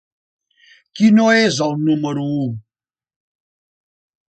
Qui no és el número u?